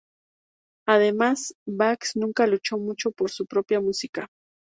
Además, Bax nunca luchó mucho por su propia música.